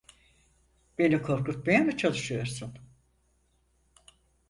Beni korkutmaya mı çalışıyorsun?